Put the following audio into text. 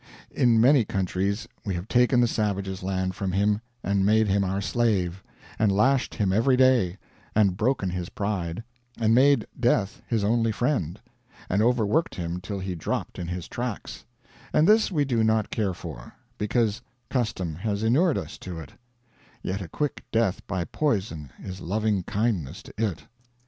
In many countries we have taken the savage's land from him, and made him our slave, and lashed him every day, and broken his pride, and made death his only friend, and overworked him till he dropped in his tracks; and this we do not care for, because custom has inured us to it; yet a quick death by poison is lovingkindness to it.